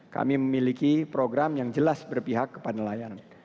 kami memiliki program yang jelas berpihak kepada nelayan